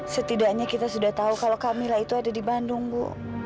setidaknya kita sudah tahu kalau camilla itu ada di bandung bu